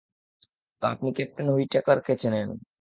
তো আপনি ক্যাপ্টেন হুইটেকারকে চেনেন।